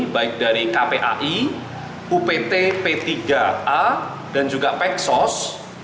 baik dari kpai upt p tiga a dan juga peksos